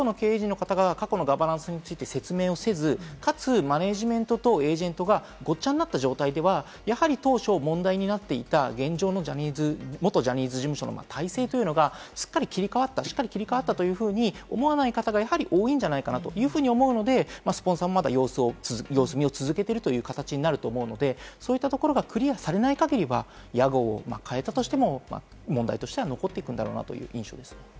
おそらく過去の経営陣の方が過去のガバナンスについて説明をせずかつマネジメントとエージェントがごっちゃになった状態では、やはり当初、問題になっていた現状の元ジャニーズ事務所の体制というのがすっかり切り替わった、しっかり切り替わったと思わない方が多いんじゃないかなというふうに思うので、スポンサーもまだ様子見を続けているという形になると思うので、そういったところがクリアされない限りは屋号を変えたとしても問題としては残っていくんだろうなという印象ですね。